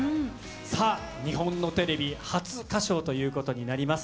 さあ日本のテレビ初歌唱ということになります。